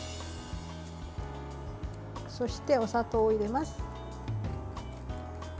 そして、お砂糖を入れます。